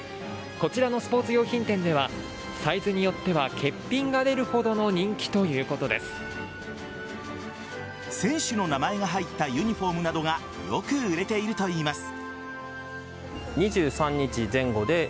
こちらのスポーツ用品店ではサイズによっては欠品が出るほどの選手の名前が入ったユニホームなどがよく売れているといいます。